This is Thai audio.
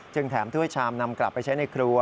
จึงแถมที่ว่าชามนำกลับไปใช้ในครัว